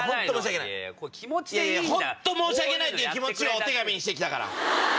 本当申し訳ないって気持ちをお手紙にして来たから。